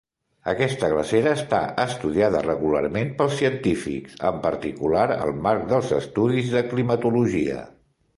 Aquesta glacera està estudiada regularment pels científics, en particular al marc dels estudis de climatologia.